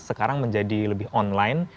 sekarang menjadi lebih online